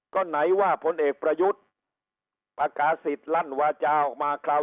ก็ไหนว่าผลเอกประยุทธ์ประกาศิษย์ลั่นวาจาออกมาคราว